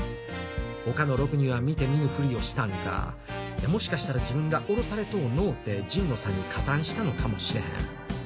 他の６人は見て見ぬふりをしたんかもしかしたら自分が降ろされとうのうて陣野さんに加担したのかもしれへん。